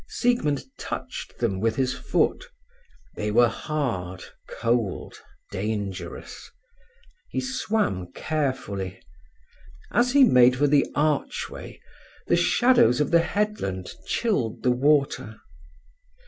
Siegmund touched them with his foot; they were hard, cold, dangerous. He swam carefully. As he made for the archway, the shadows of the headland chilled the water.